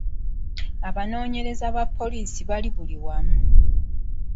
Abanoonyereza ba poliisi bali buli wamu.